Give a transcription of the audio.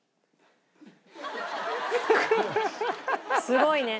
すごいね。